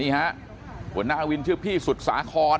หัวหน้าวินชื่อพี่สุดสาคร